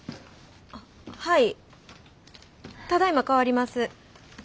はいただいま代わります。